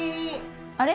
あれ？